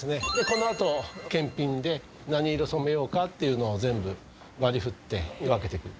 このあと検品で何色染めようかっていうのを全部割り振って分けていくっていう事で。